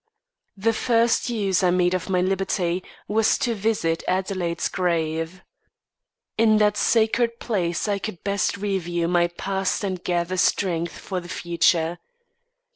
The first use I made of my liberty was to visit Adelaide's grave. In that sacred place I could best review my past and gather strength for the future.